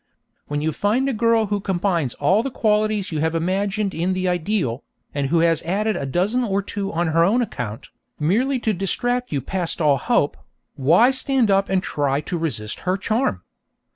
When you find a girl who combines all the qualities you have imagined in the ideal, and who has added a dozen or two on her own account, merely to distract you past all hope, why stand up and try to resist her charm?